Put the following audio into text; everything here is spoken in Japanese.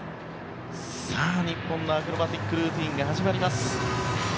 日本のアクロバティックルーティンが始まります。